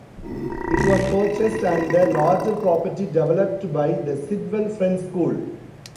It was purchased and the larger property developed by the Sidwell Friends School.